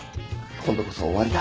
今度こそ終わりだ。